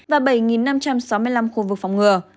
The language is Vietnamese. và bảy năm trăm sáu mươi khu vực bị phong tỏa